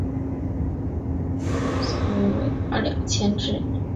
而日本对于西北太平洋海域的估算约为二千只。